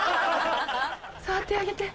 触ってあげて。